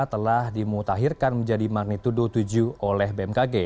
telah dimutahirkan menjadi magnitudo tujuh oleh bmkg